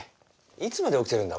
いつまで起きてるんだ